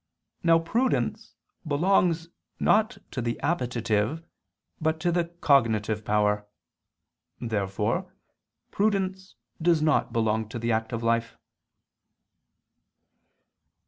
Now prudence belongs not to the appetitive but to the cognitive power. Therefore prudence does not belong to the active life.